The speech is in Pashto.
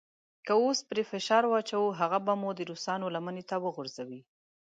که اوس پرې فشار واچوو هغه به مو د روسانو لمنې ته وغورځوي.